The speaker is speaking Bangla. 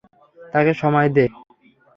তাকে সময় দে।